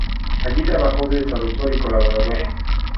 Allí trabajó de traductor y colaborador.